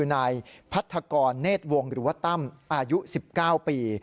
นายพัทกรเนธวงศ์หรือว่าตั้มอายุ๑๙ปี